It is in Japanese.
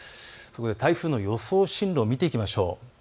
台風の予想進路を見ていきましょう。